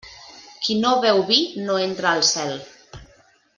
Qui no beu vi no entra al cel.